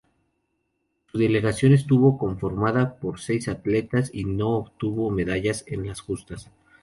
Su delegación estuvo conformada por seis atletas y no obtuvo medallas en las justas.